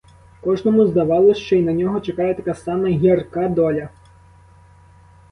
Кожному здавалось, що й на нього чекає така сама гірка доля.